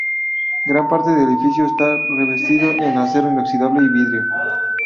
Gran parte del edificio está revestido en acero inoxidable y vidrio.